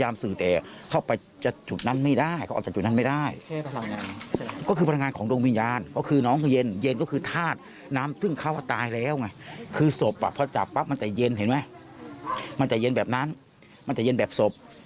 คือมันจะเย็นเห็นไหมมันจะเย็นแบบนั้นมันจะเย็นแบบศพ